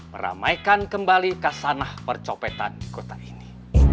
meramaikan kembali kasanah percopetan di kota ini